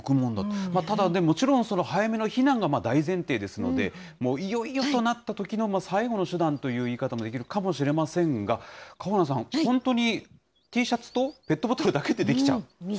ただね、もちろん早めの避難が大前提ですので、もういよいよとなったときの最後の手段という言い方もできるかもしれませんが、かほなんさん、本当に、Ｔシャツとペットボトルだけでできちゃうと。